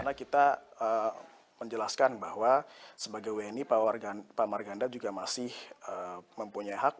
karena kita menjelaskan bahwa sebagai wni pak marganda juga masih mempunyai hak